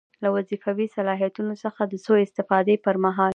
له وظیفوي صلاحیتونو څخه د سوء استفادې پر مهال.